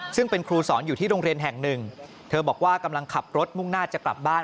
ซึ่งเป็นครูสอนอยู่ที่โรงเรียนแห่งหนึ่งเธอบอกว่ากำลังขับรถมุ่งหน้าจะกลับบ้าน